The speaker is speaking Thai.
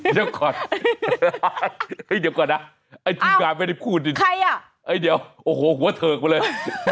เดี๋ยวก่อนเดี๋ยวก่อนนะไอ้ทีมงานไม่ได้พูดจริงเดี๋ยวโอ้โหหัวเถิกไปเลย